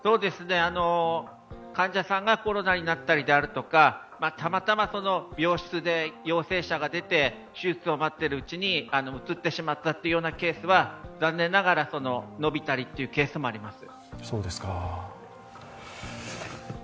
患者さんがコロナになったりであるとかたまたま病室で陽性者が出て手術を待っているうちにうつってしまったというケースは残念ながら延びたりというケースもあります。